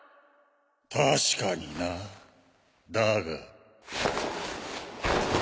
確かにな。だが。